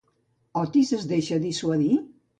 Otis, es deixa dissuadir?